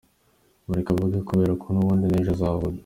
Mureke avuge kubera ko n’ubundi n’ejo azavuga.